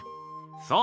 そう！